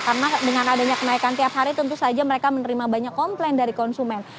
karena dengan adanya kenaikan tiap hari tentu saja mereka menerima banyak komplain dari konsumen